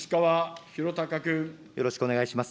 よろしくお願いします。